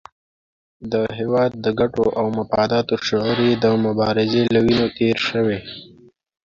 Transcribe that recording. د هېواد د ګټو او مفاداتو شعور یې د مبارزې له وینو تېر شوی.